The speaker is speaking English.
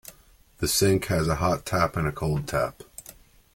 The sink has a hot tap and a cold tap